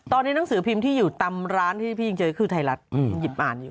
ตอนนี้หนังสือพิมพ์ที่อยู่ตามร้านที่พี่ยังเจอคือไทยรัฐหยิบอ่านอยู่